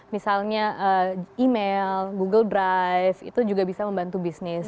misalnya email google drive itu juga bisa membantu bisnis